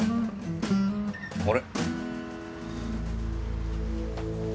あれ。